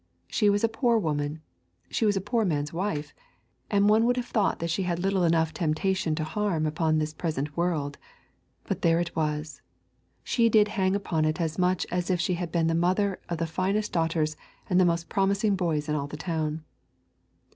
She was a poor woman, she was a poor man's wife, and one would have thought that she had little enough temptation to harm upon this present world. But there it was, she did hang upon it as much as if she had been the mother of the finest daughters and the most promising boys in all the town.